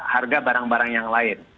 harga barang barang yang lain